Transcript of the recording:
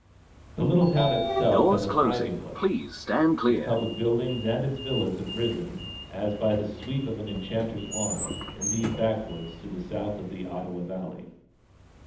The little town itself has a thriving look. Its public buildings and its villas have risen, as by the sweep of an enchanter's wand, in these backwoods to the south of the Ottawa valley.